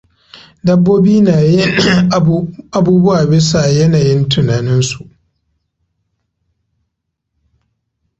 Dabbobi na yin abubuwa bisa yanayin tunaninsu.